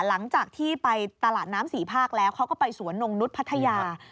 หลังจากที่ไปตลาดน้ำสี่ภาคแล้วเขาก็ไปสวนนงนุษย์พัทยา